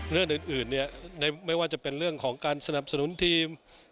เรื่องอื่นไม่ว่าจะเป็นเรื่องของการสนับสนุนทีม